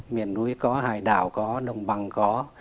miền núi có hải đảo có đồng bằng có